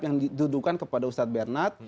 yang dituduhkan kepada ustadz bernat